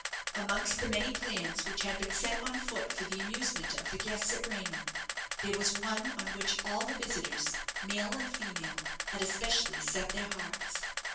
Amongst the many plans which had been set on foot for the amusement of the guests at Raynham, there was one on which all the visitors, male and female, had especially set their hearts.